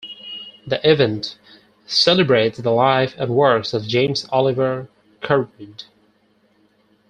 The event celebrates the life and works of James Oliver Curwood.